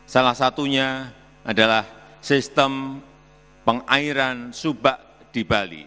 salah satunya adalah sistem pengairan subak di bali